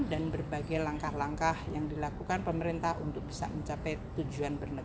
berbagai langkah langkah yang dilakukan pemerintah untuk bisa mencapai tujuan